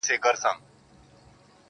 د مظلوم چیغي چا نه سوای اورېدلای-